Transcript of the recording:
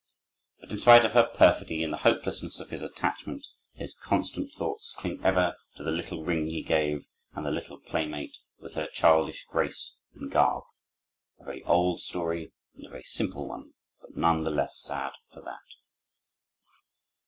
But in spite of her perfidy and the hopelessness of his attachment, his constant thoughts cling ever to the little ring he gave and the little playmate with her childish grace and garb. A very old story and a very simple one, but none the less sad for that.